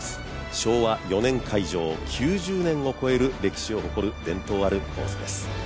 昭和４年開場、９０年を超える歴史のある伝統あるコースです。